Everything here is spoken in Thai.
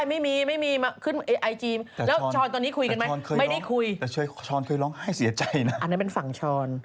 อันนั้นเป็นฝั่งช้อน